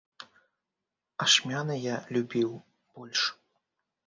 Ашмяны я любіў больш.